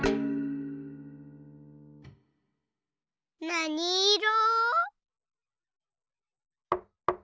なにいろ？